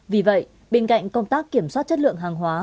vì vậy bên cạnh công tác kiểm soát chất lượng hàng hóa